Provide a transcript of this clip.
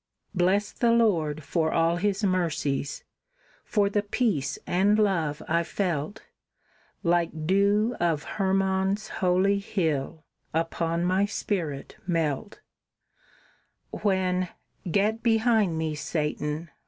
Bless the Lord for all his mercies! for the peace and love I felt, Like dew of Hermon's holy hill, upon my spirit melt; When "Get behind me, Satan!"